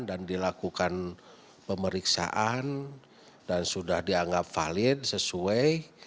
dan dilakukan pemeriksaan dan sudah dianggap valid sesuai